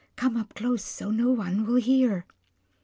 Come up close, so no one will hear."